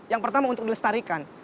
yang pertama untuk dilestarikan